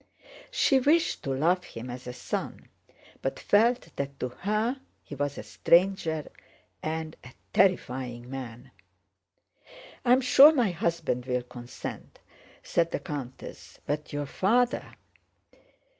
She wished to love him as a son, but felt that to her he was a stranger and a terrifying man. "I am sure my husband will consent," said the countess, "but your father..."